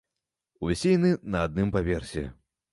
Усе яны на адным паверсе.